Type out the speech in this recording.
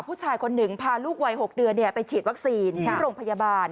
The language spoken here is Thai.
ผู้ชายคนหนึ่งพาลูกวัย๖เดือนไปฉีดวัคซีนที่โรงพยาบาล